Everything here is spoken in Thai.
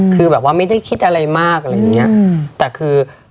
คือแบบว่าไม่ได้คิดอะไรมากอะไรอย่างเงี้ยแต่คือ